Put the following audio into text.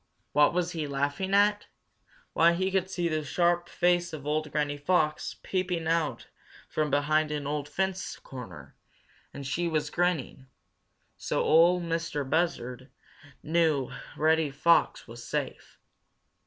What was he laughing at? Why, he could see the sharp face of old Granny Fox, peeping out from behind an old fence corner, and she was grinning. So Ol' Mistah Buzzard knew Reddy Fox was safe.